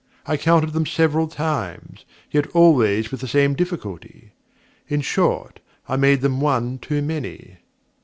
I counted them several times, yet always with the same difficulty. In short, I made them one too many.